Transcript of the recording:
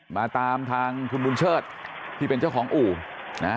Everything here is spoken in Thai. มาตามทางคุณบุญเชิดที่เป็นเจ้าของอู่นะ